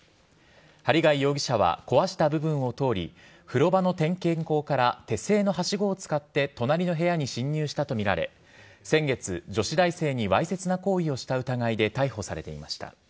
針谷容疑者は壊した部分を通り風呂場の点検口から手製のはしごを使って隣の部屋に侵入したとみられ先月、女子大生にわいせつな行為をした疑いで逮捕されていました。